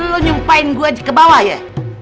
lo nyumpain gue ke bawah ya